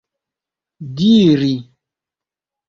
diri